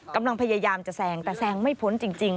กำลังพยายามจะแซงแต่แซงไม่พ้นจริง